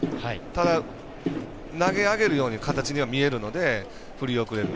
ただ、投げ上げるような形には見えるので振り遅れる。